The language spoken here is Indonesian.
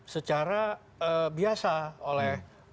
secara biasa oleh